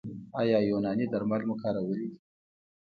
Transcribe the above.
ایا یوناني درمل مو کارولي دي؟